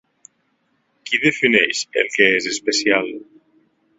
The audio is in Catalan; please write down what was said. Qui defineix el que és especial?